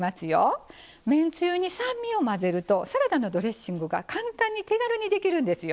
めんつゆに酸味を混ぜるとサラダのドレッシングが簡単に手軽にできるんですよ。